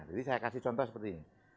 jadi saya kasih contoh seperti ini